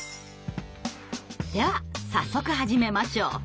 では早速始めましょう。